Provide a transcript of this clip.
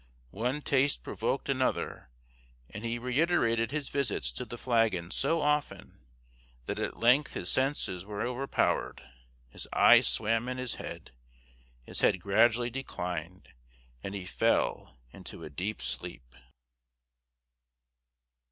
One taste provoked another; and he reiterated his visits to the flagon so often, that at length his senses were overpowered, his eyes swam in his head, his head gradually declined, and he fell into a deep sleep.